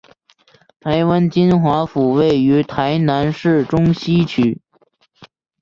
台南金华府位于台南市中西区。